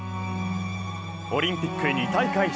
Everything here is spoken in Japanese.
オリンピック２大会